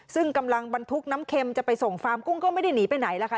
ซึ่งกำลังบรรทุกน้ำเค็มจะไปส่งฟาร์มกุ้งก็ไม่ได้หนีไปไหนล่ะค่ะ